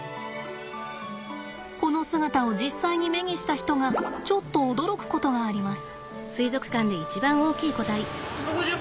この姿を実際に目にした人がちょっと驚くことがあります。